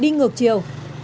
đi ngược chiều